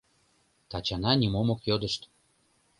Тачана нимом ок йодышт.